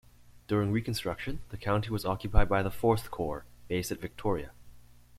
During Reconstruction, the county was occupied by the Fourth Corps, based at Victoria.